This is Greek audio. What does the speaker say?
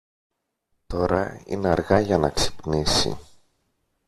Τώρα είναι αργά για να ξυπνήσει.